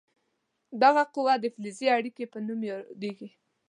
دغه قوه د فلزي اړیکې په نوم یادیږي.